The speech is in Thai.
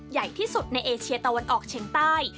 ใหญ่ที่สุดในเอเชียตะวันออกเชียงใต้